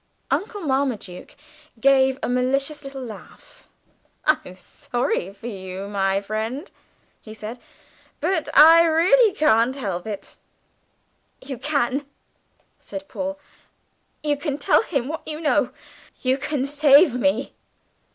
Uncle Marmaduke gave a malicious little laugh: "I'm sorry for you, my friend," he said, "but I really can't help it." "You can," said Paul; "you can tell him what you know. You can save me."